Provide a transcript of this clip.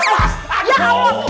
pak pak pak pak